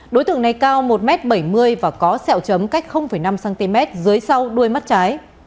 đối tượng này cao một m bảy mươi và có sẹo chấm cách năm cm dưới sau đuôi mắt trái